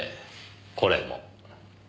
これも。